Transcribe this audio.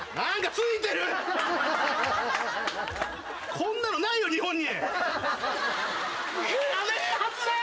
こんなのないよ日本に。